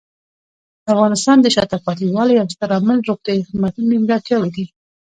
د افغانستان د شاته پاتې والي یو ستر عامل د روغتیايي خدماتو نیمګړتیاوې دي.